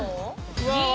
うわ！